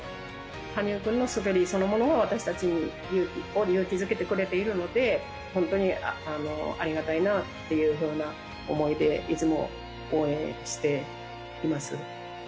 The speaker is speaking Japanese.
羽生君の滑りそのものが、私たちを勇気づけてくれているので、本当にありがたいなっていうふうな想いで、いつも応援しています。